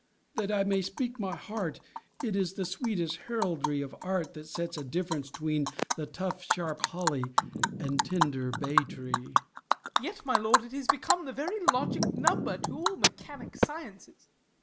That I may speak my heart, It is the sweetest heraldry of art, That sets a difference 'tween the tough sharp holly And tender bay tree. SURREY. Yet, my lord, It is become the very logic number To all mechanic sciences.